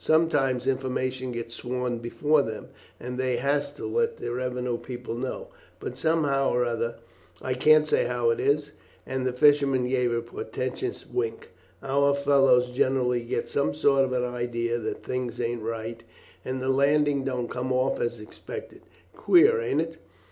Sometimes information gets sworn before them, and they has to let the revenue people know, but somehow or other, I can't say how it is," and the fisherman gave a portentous wink, "our fellows generally get some sort of an idea that things ain't right, and the landing don't come off as expected; queer, ain't it?